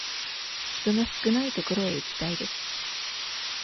人が少ない所へ行きたいです。